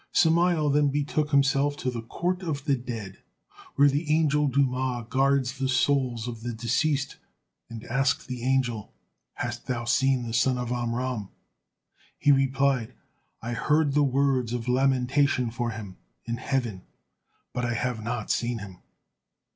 Samael then betook himself to the "Court of the Dead," where the angel Dumah guards the souls of the deceased, and asked the angel, "Hast thou seen the son of Amram?" He replied: "I heard the words of lamentation for him in heaven, but I have not seen him."